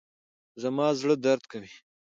زما زړه درد کوي.